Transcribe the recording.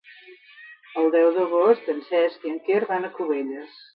El deu d'agost en Cesc i en Quer van a Cubelles.